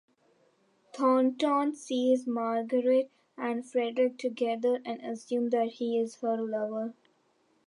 Thornton sees Margaret and Frederick together, and assumes that he is her lover.